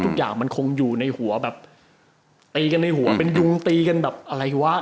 ทุกอย่างมันคงอยู่ในหัวแบบตีกันในหัวเป็นยุงตีกันแบบอะไรวะ